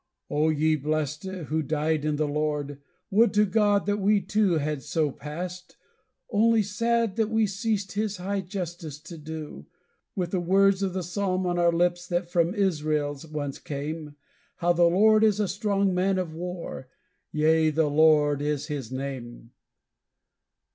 "O ye blessed, who died in the Lord! would to God that we too Had so passed, only sad that we ceased his high justice to do, With the words of the psalm on our lips that from Israel's once came, How the Lord is a strong man of war; yea, the Lord is his name!